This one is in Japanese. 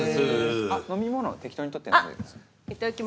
飲み物適当に取ってください。